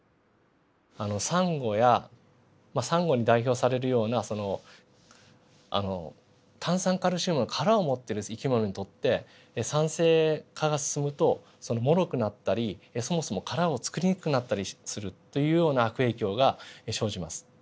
サンゴやまあサンゴに代表されるような炭酸カルシウムの殻を持っている生き物にとって酸性化が進むともろくなったりそもそも殻をつくりにくくなったりするというような悪影響が生じます。